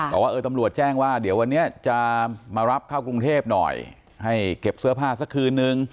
บอกว่าเออตำรวจแจ้งว่าเดี๋ยววันนี้จะมารับเข้ากรุงเทพหน่อยให้เก็บเสื้อผ้าสักคืนนึง